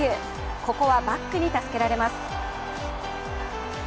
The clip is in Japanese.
ここはバックに助けられます。